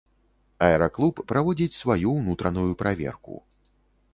Аэраклуб праводзіць сваю ўнутраную праверку.